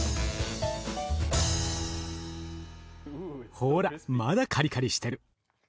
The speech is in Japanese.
ほらまだカリカリしてる。